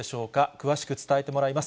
詳しく伝えてもらいます。